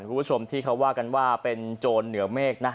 คุณผู้ชมที่เขาว่ากันว่าเป็นโจรเหนือเมฆนะ